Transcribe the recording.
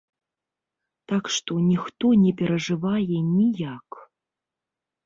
Так што ніхто не перажывае ніяк.